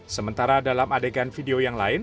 sementara dalam adegan video yang lain